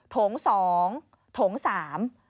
โถงสองโถงสาม